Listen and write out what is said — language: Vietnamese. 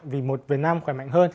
vì một việt nam khỏe mạnh hơn